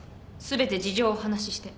全て事情をお話しして。